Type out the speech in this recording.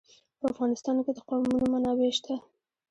په افغانستان کې د قومونه منابع شته.